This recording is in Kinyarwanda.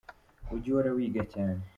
Ujye uhora wiga cyane.